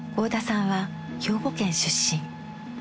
合田さんは兵庫県出身。